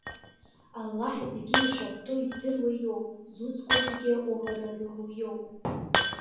Аллаҳ зегьы ишахәҭоу издыруа иоуп. Зусқәа зегьы аҟәыӷара рылоу иоуп.